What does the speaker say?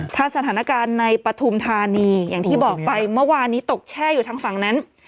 ถ้าสถานการณ์ในปฐุมธานีอย่างที่บอกไปเมื่อวานนี้ตกแช่อยู่ทางฝั่งนั้น